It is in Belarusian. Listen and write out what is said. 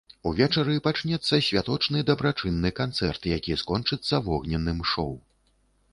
Увечары пачнецца святочны дабрачынны канцэрт, які скончыцца вогненным шоў.